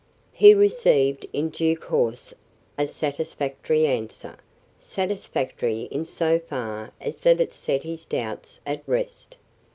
He received, in due course a satisfactory answer; satisfactory in so far as that it set his doubts at rest.